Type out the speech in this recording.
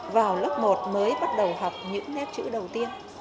vào lớp một mới bắt đầu học những nét chữ đầu tiên